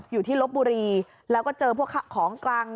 อยู่ที่รถบุรีแล้วก็เจอพวกของกลาง